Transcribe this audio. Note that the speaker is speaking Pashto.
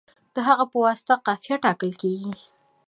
د هغه په واسطه قافیه ټاکل کیږي.